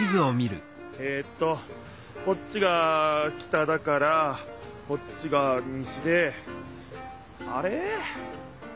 えっとこっちが北だからこっちが西であれ？